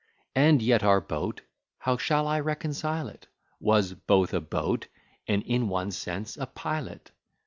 And yet our Boat (how shall I reconcile it?) Was both a Boat, and in one sense a pilot.